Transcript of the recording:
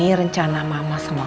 orang suka ada teman